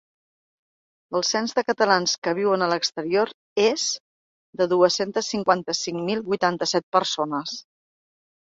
El cens de catalans que viuen a l’exterior és de dues-centes cinquanta-cinc mil vuitanta-set persones.